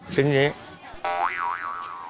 จึงที่นี้